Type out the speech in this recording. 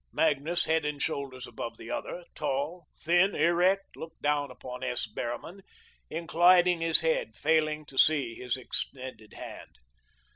Magnus, head and shoulders above the other, tall, thin, erect, looked down upon S. Behrman, inclining his head, failing to see his extended hand.